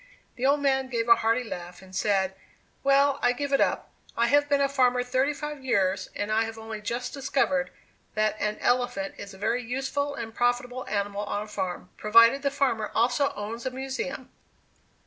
The old man gave a hearty laugh, and said, "Well, I give it up. I have been a farmer thirty five years, and I have only just discovered that an elephant is a very useful and profitable animal on a farm provided the farmer also owns a museum."